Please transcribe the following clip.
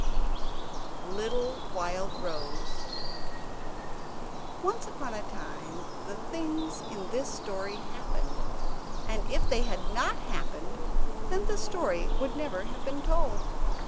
] Little Wildrose Once upon a time the things in this story happened, and if they had not happened then the story would never have been told.